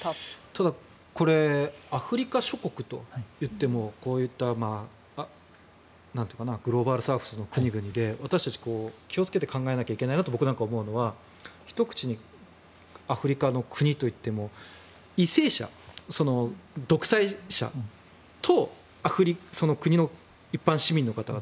ただ、これアフリカ諸国といってもこういったグローバルサウスの国々で私たち、気をつけて考えないといけないなと僕なんかが思うのはひと口にアフリカの国といっても為政者、独裁者とその国の一般市民の方々